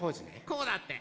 こうだって。